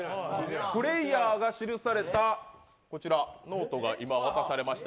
プレーヤーが記されたこちらノートが今、渡されました。